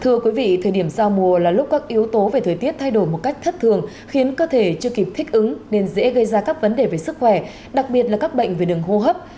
thưa quý vị thời điểm giao mùa là lúc các yếu tố về thời tiết thay đổi một cách thất thường khiến cơ thể chưa kịp thích ứng nên dễ gây ra các vấn đề về sức khỏe đặc biệt là các bệnh về đường hô hấp